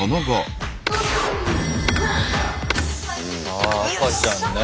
ああ赤ちゃんね。